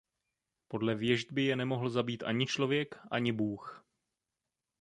Podle věštby je nemohl zabít ani člověk ani bůh.